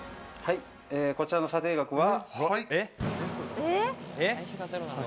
こちらの査定額は。